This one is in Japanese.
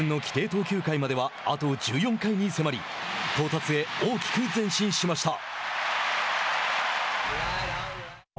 投球回まではあと１４回に迫り到達へ大きく前進しました。